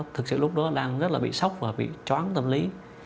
thực sự lúc đó đang rất là bị sốc và bị chóng tâm lý